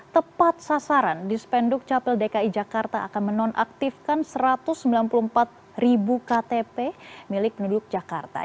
tepat sasaran dispenduk capil dki jakarta akan menonaktifkan satu ratus sembilan puluh empat ribu ktp milik penduduk jakarta